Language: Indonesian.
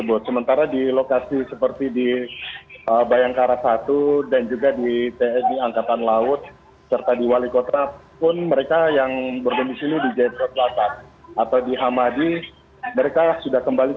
untuk para pengusaha